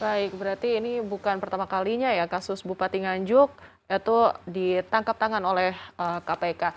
baik berarti ini bukan pertama kalinya ya kasus bupati nganjuk itu ditangkap tangan oleh kpk